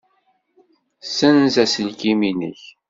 Ssenz aselkim-nnek.